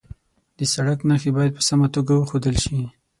د سړک نښې باید په سمه توګه وښودل شي.